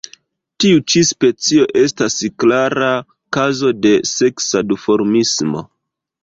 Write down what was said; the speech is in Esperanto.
Tiu ĉi specio estas klara kazo de seksa duformismo.